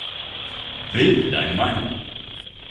Bilde deine Meinung!